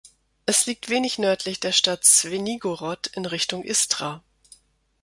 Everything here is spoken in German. Es liegt wenig nördlich der Stadt Swenigorod in Richtung Istra.